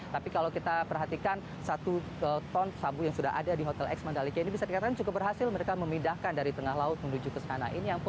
tapi kalau kita perhatikan satu ton sabu yang sudah ada di hotel ex mandalika ini bisa dikatakan cukup berhasil mereka memindahkan dari tengah laut menuju ke sana